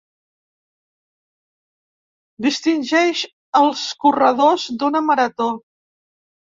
Distingeix els corredors d'una marató.